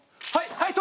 はい！